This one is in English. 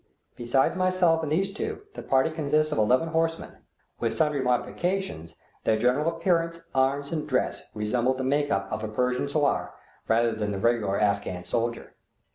Besides myself and these two, the party consists of eleven horsemen; with sundry modifications, their general appearance, arms, and dress resemble the make up of a Persian sowar rather than the regular Afghan soldier.